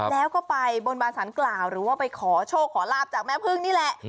แล้วก็ไปบนบานสารกล่าวหรือว่าไปขอโชคขอลาบจากแม่พึ่งนี่แหละ